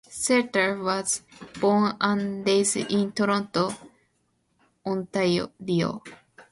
Seater was born and raised in Toronto, Ontario.